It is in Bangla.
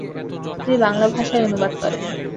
তিনি বাংলা ভাষায় অনুবাদ করেন।